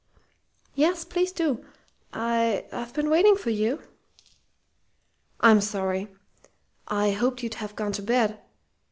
"Yes, please do. I I've been waiting for you." "I'm sorry! I hoped you'd have gone to bed.